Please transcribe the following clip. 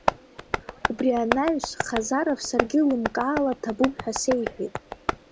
Убри анаҩыс Хазаров саргьы лымкаала ҭабуп ҳәа сеиҳәеит.